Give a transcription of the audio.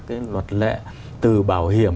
cái luật lệ từ bảo hiểm